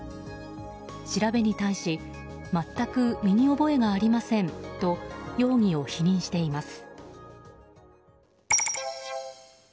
調べに対し全く身に覚えがありませんと容疑を否認しています。